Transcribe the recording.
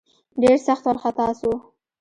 ډېر سخت وارخطا سو.